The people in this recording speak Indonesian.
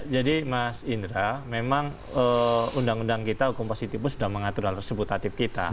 jadi mas indra memang undang undang kita hukum positif pun sudah mengatur hal tersebut tatip kita